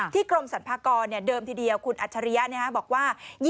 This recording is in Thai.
กรมสรรพากรเดิมทีเดียวคุณอัจฉริยะบอกว่า